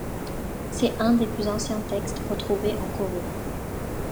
C'est un des plus anciens textes retrouvés en Corée.